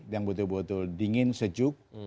yang betul betul dingin sejuk